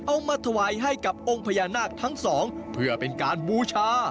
เอามาถวายให้กับองค์พญานาคทั้งสองเพื่อเป็นการบูชา